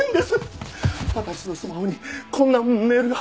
私のスマホにこんなメールが！